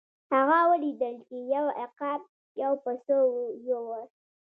هغه ولیدل چې یو عقاب یو پسه یووړ.